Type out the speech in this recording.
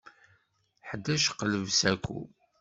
Ḥdac qleb saku.